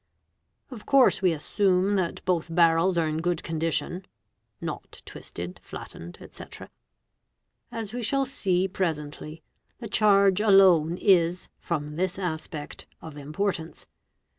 Of course we assume that both barrels are in good condition — (not twisted, flattened, &c.). As we shall see presently the charge alone — is, from this aspect, of importance.